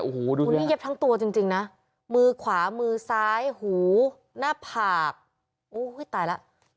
โอ้โหดูนี่เย็บทั้งตัวจริงนะมือขวามือซ้ายหูหน้าผากโอ้ยตายแล้ว